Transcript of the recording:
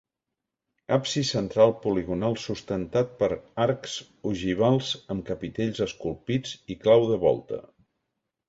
Absis central poligonal sustentat per arcs ogivals amb capitells esculpits i clau de volta.